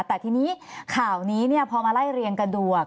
แต่ทีนี้ข่าวนี้พอมาไล่เรียงกันดู